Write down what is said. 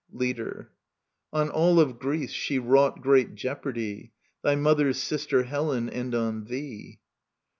Leader. On all of Greece she wrought great jeopardy, Thy mother's sister, Helen, — and on thee.